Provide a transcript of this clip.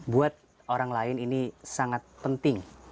buat orang lain ini sangat penting